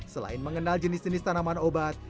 selain mengenal jenis jenis tanaman obat